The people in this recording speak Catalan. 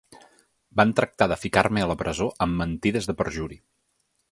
Van tractar de ficar-me a la presó amb mentides de perjuri.